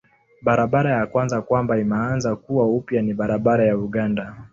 Barabara ya kwanza kwamba imeanza kuwa upya ni barabara ya Uganda.